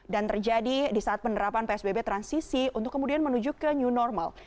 dan terjadi di saat penerapan psbb transisi untuk kemudian menuju ke new normal